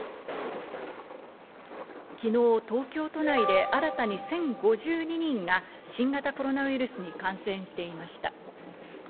昨日、東京都内で新たに１０５２人が新型コロナウイルスに感染していました。